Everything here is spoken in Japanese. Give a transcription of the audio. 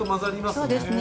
そうですね